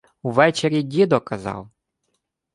— Ввечері дідо казав.